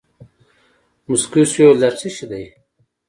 موسکى سو ويې ويل دا چي شې دي.